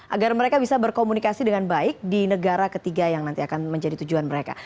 agar mereka bisa berkomunikasi dengan baik di negara ketiga yang nanti akan menjadi tujuan mereka